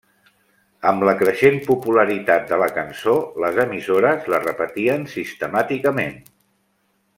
Amb la creixent popularitat de la cançó, les emissores la repetien sistemàticament.